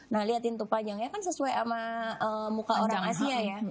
nah lihat pintu panjangnya kan sesuai sama muka orang asia ya